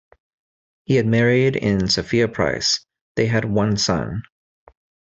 He had married in Sophia Price; they had one son.